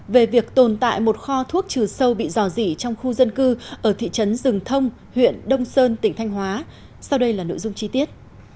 về việc tồn tại một kho thuốc trừ sâu bị dò dỉ trong khu dân cư ở thị trấn rừng thông huyện đông sơn tỉnh thanh hóa sau đây là nội dung chi tiết